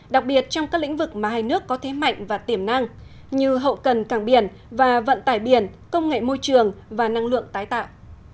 đặc biệt trong các lĩnh vực mà hai nước có thế mạnh và tiềm năng như hậu cần cảng biển và vận tải biển công nghệ môi trường và năng lượng tái tạo